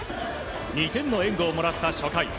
２点の援護をもらった初回。